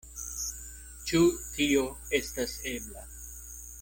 Ĉu tio estas ebla.